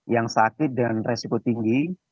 yang sakit dengan resiko tinggi